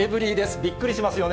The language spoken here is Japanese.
びっくりしますよね。